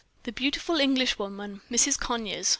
"The beautiful Englishwoman, Mrs. Conyers."